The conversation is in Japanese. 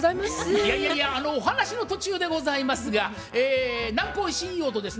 いやいやいやお話の途中でございますが南光ＣＥＯとですね